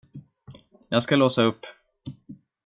Jag ska låsa upp.